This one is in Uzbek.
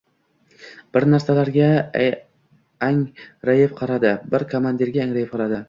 Bir narsalarga ang-rayib qaradi, bir komandirga angrayib qaradi.